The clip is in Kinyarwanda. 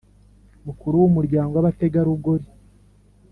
Umukuru w umuryango w abategarugori